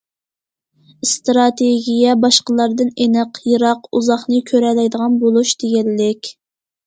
ئىستراتېگىيە باشقىلاردىن ئېنىق، يىراق، ئۇزاقنى كۆرەلەيدىغان بولۇش دېگەنلىك.